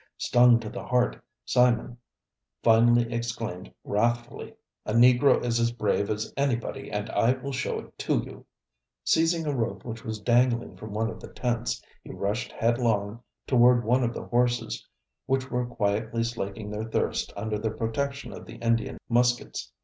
Stung to the heart, Simon finally exclaimed wrathfully, "A Negro is as brave as anybody and I will show it to you." Seizing a rope which was dangling from one of the tents, he rushed headlong toward one of the horses which were quietly slaking their thirst under the protection of the Indian muskets.